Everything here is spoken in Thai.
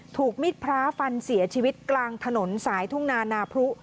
มิดพระฟันเสียชีวิตกลางถนนสายทุ่งนานาพรุ